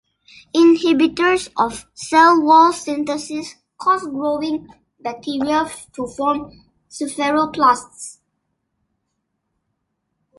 Inhibitors of cell wall synthesis caused growing bacteria to form spheroplasts.